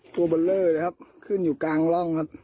ตัวเบอร์เลอร์เลยครับขึ้นอยู่กลางร่องครับ